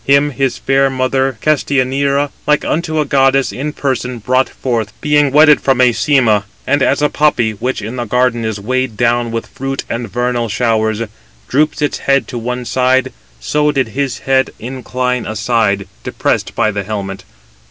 Him his fair mother Castianira, like unto a goddess in person, brought forth, being wedded from Æsyma. And as a poppy, which in the garden is weighed down with fruit and vernal showers, droops its head to one side, so did his head incline aside, depressed by the helmet.